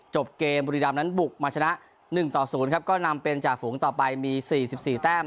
จบเกมบุรีดามนั้นบุกมาชนะหนึ่งต่อศูนย์ครับก็นำเป็นจากฝูงต่อไปมีสี่สิบสี่แต้ม